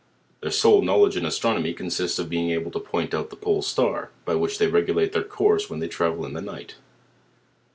Their sole knowledge in astronomy consistg in being able to point out the pole star; by which they regulate their course when they travel in the night.